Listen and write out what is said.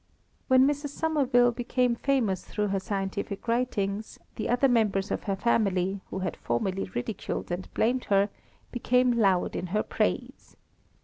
When Mrs. Somerville became famous through her scientific writings, the other members of her family, who had formerly ridiculed and blamed her, became loud in her praise.